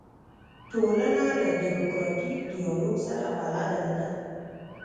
ټولنه له دیموکراتیک ډیالوګ سره بلده نه ده.